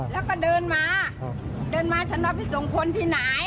แล้วก็เดินมาเดินมาฉันเอาไปส่งคนที่ไหน